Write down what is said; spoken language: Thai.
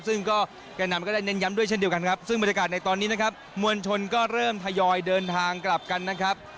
ซึ่งก็แก่นำก็ได้เน้นย้ำด้วยเช่นเดียวกันครับซึ่งบรรยากาศในตอนนี้นะครับมวลชนก็เริ่มทยอยเดินทางกลับกันนะครับ